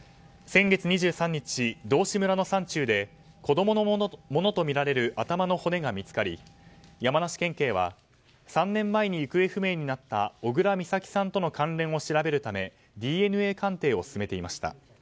先月２３日、道志村の山中で子供のものとみられる頭の骨が見つかり山梨県警は３年前に行方不明になった小倉美咲さんとの関連を調べるためＤＮＡ鑑定を進めていました。